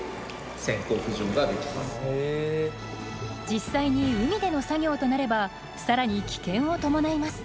実際に海での作業となれば更に危険を伴います。